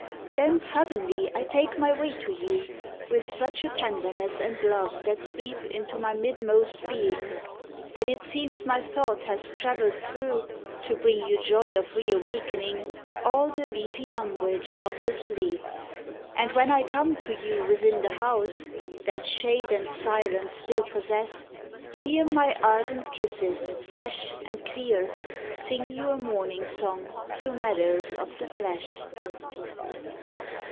Then suddenly I take my way to you, With such a tenderness and love that sweep Into my midmost being That it seems my thought has travelled through To bring you joy of reawakening All the leafy umbrage of your sleep. And when I come to you within the house, That shade and silence still possess, hear My ardent kisses, fresh And clear, Sing you a morning song through meadows of the flesh.